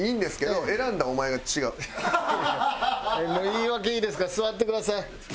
言い訳いいですから座ってください。